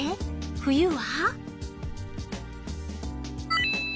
冬は？